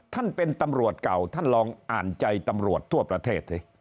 ท่านเป็นตำรวจเก่าท่านลองอ่านใจตำรวจทั่วประเทศสิ